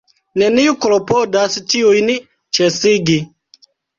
Neniu klopodas tiujn ĉesigi.